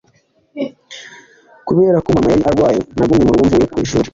kubera ko mama yari arwaye, nagumye mu rugo mvuye ku ishuri